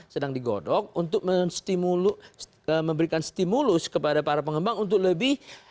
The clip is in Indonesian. sedang digodok untuk memberikan stimulus kepada para pengembang untuk lebih